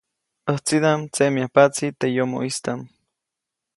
ʼÄjtsidaʼm tseʼmyajpaʼtsi teʼ yomoʼistaʼm.